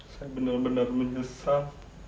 saya benar benar menyesal